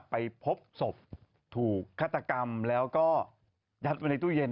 ไปพบศพถูกฆาตกรรมแล้วก็ยัดไว้ในตู้เย็น